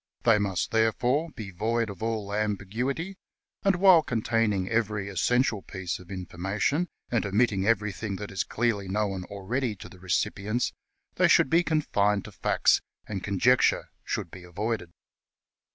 They must, therefore, be void of all ambiguity, and while containing every essential piece of information, and omitting everything that is clearly known already to the recipients, they should be confined to facts, and conjecture should be avoided.